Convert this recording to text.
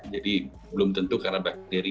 jadi belum tentu karena bakteri